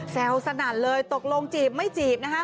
แซวสนาดเลยตกลงจีบไม่จีบนะคะ